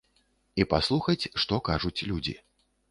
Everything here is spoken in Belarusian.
І паслухаць, што кажуць людзі.